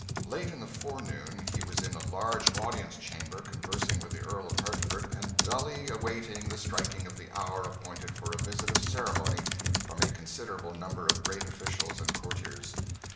Late in the forenoon he was in a large audience chamber, conversing with the Earl of Hertford and dully awaiting the striking of the hour appointed for a visit of ceremony from a considerable number of great officials and courtiers.